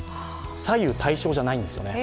左右対称じゃないんですよね。